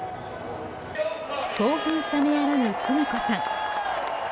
興奮冷めやらぬ久美子さん。